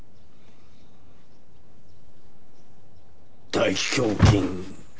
大胸筋。